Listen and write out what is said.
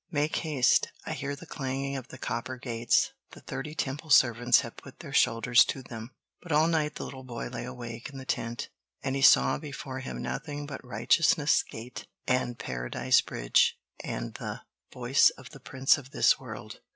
Make haste! I hear the clanging of the copper gates; the thirty Temple servants have put their shoulders to them." But all night the little boy lay awake in the tent, and he saw before him nothing but Righteousness' Gate and Paradise Bridge and the Voice of the Prince of this World.